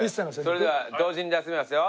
それでは同時に出しますよ。